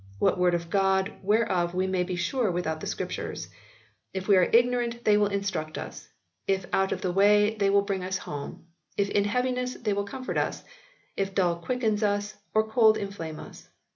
What Word of God whereof we may be sure without the Scriptures? If we are ignorant they will instruct us ; if out of the way they will bring us home ; if in heaviness they will comfort us ; if dull quicken us ; if cold inflame us.